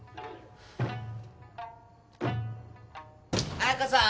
彩佳さん！